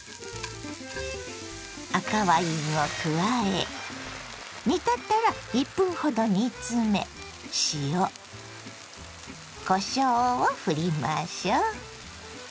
赤ワインを加え煮立ったら１分ほど煮詰め塩こしょうをふりましょう。